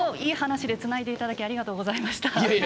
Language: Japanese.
いい話でつないでいただきありがとうございました。